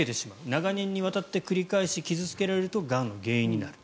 長年にわたって繰り返し傷付けられるとがんの原因になる。